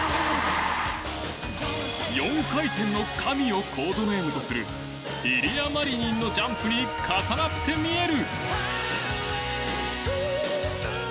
４回転の神をコードネームとするイリア・マリニンのジャンプに重なって見える。